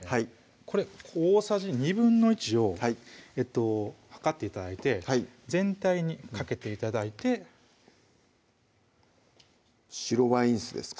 これ大さじ１／２を量って頂いてはい全体にかけて頂いて白ワイン酢ですか？